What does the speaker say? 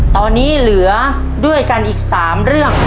ตอนนี้เหลือด้วยกันอีก๓เรื่อง